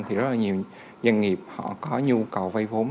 thì rất là nhiều doanh nghiệp họ có nhu cầu vay vốn